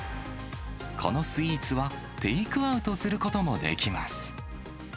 このスイーツは、テイクアウトすることもできます。